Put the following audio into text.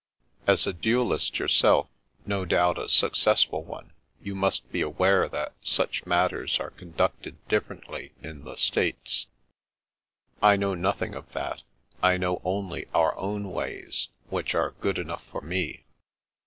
" "As a duellist yourself, no doubt a successful one, you must be aware that such matters are con ducted differently in the States." " I know nothing of that. I know only our own ways, which are good enough for me."